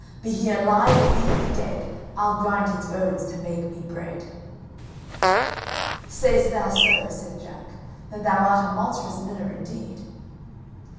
Be he alive or be he dead, I'll grind his bones to make me bread!" "Say'st thou so," said Jack; "then thou art a monstrous miller indeed."